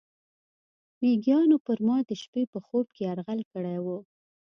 میږیانو پر ما د شپې په خوب کې یرغل کړی و.